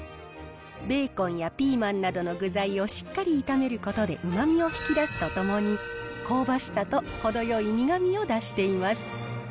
ベーコンやピーマンなどの具材をしっかり炒めることでうまみを引き出すとともに、香ばしさと程よい苦みを出しています。